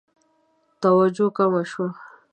توجه کمه شوه.